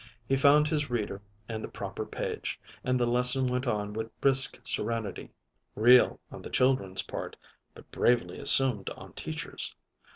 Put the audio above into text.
He found his reader and the proper page, and the lesson went on with brisk serenity; real on the children's part, but bravely assumed on Teacher's.